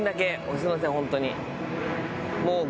すいませんホントに。